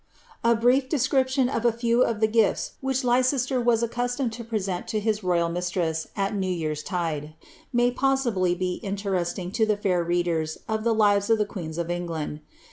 A brief description of a few of the gifts which Leicester was accus tomed to present to his royal mistress at new year's tide, may possibly be interesting to the fiiir readers of the ^^ Lives of the Queens of Eng land.''